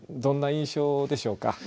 どんな印象でしょうか？